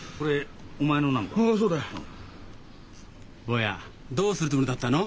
坊やどうするつもりだったの？